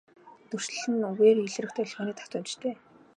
Дүрслэл нь үгээр илрэх долгионы давтамжтай.